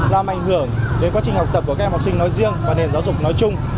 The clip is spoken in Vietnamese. làm ảnh hưởng đến quá trình học tập của các em học sinh nói riêng và nền giáo dục nói chung